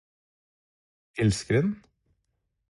elskeren